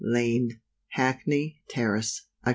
LANE. Hackney Terrace, Oct.